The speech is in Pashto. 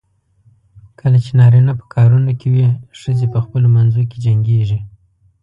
کله چې نارینه په کارونو کې وي، ښځې په خپلو منځو کې جنګېږي.